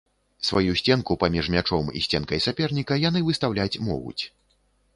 Сваю сценку паміж мячом і сценкай саперніка яны выстаўляць могуць.